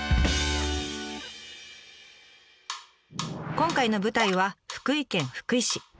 今回の舞台は福井県福井市。